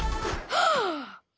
ああ。